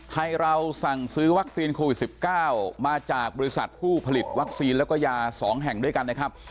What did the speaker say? ไทยเราสั่งซื้อวัคซีนโควิด๑๙มาจากบริษัทผู้ผลิตวัคซีนแล้วก็ยา๒แห่งด้วยกันนะครับ